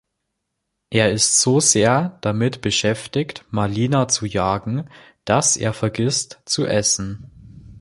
Er ist so sehr damit beschäftigt, Malina zu jagen, dass er vergisst zu essen.